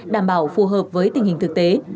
đảm bảo phù hợp với tình hình thực tế